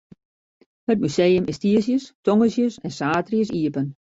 It museum is tiisdeis, tongersdeis en saterdeis iepen.